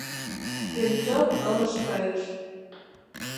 — Венцов ылыж кайыш.